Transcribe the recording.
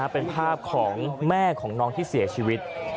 เป็นภาพของแม่ของน้องที่เสียชีวิต